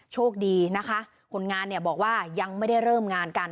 โชคดีนะคะคนงานเนี่ยบอกว่ายังไม่ได้เริ่มงานกัน